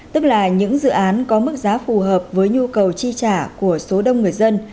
tức là những dự án có mức giá phù hợp với nhu cầu chi trả của số đông người dân